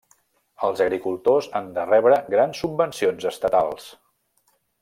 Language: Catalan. Els agricultors han de rebre grans subvencions estatals.